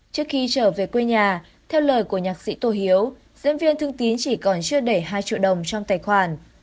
trước khi trở về quê nhà theo lời của nhạc sĩ tô hiếu diễn viên thương tín chỉ còn chưa để hai triệu đồng trong tài khoản